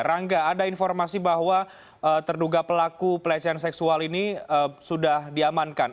rangga ada informasi bahwa terduga pelaku pelecehan seksual ini sudah diamankan